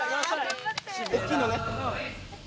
大きいのね！